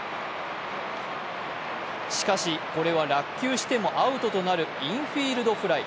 しかし、これは落球してもアウトとなるインフィールドフライ。